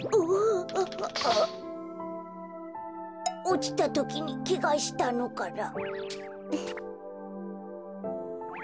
おちたときにけがしたのかな。